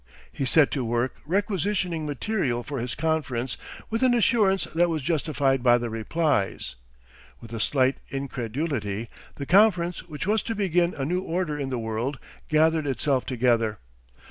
He set to work requisitioning material for his conference with an assurance that was justified by the replies. With a slight incredulity the conference which was to begin a new order in the world, gathered itself together.